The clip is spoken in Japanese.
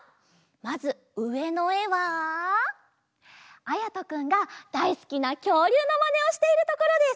まずうえのえはあやとくんがだいすきなきょうりゅうのマネをしているところです。